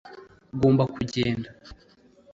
ugomba kugenda